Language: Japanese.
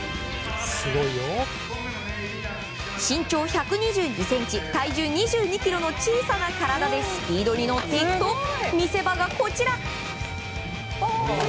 身長１２２ｃｍ体重２２ｋｇの小さな体でスピードに乗っていくと見せ場がこちら。